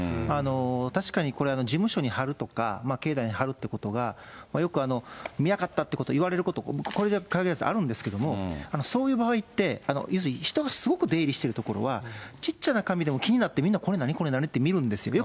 確かにこれ、事務所に貼るとか、境内に貼るっていうことが、よく見なかったっていうことを言われること、これに限らずあるんですけれども、そういう場合って、要するに人がすごく出入りしている所は、ちっちゃな紙でも気になって、みんな何これ何これって見るんですよ。